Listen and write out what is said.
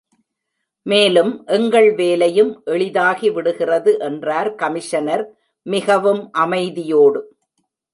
மேலும், எங்கள் வேலையும் எளிதாகி விடுகிறது என்றார் கமிஷனர் மிகவும் அமைதியோடு.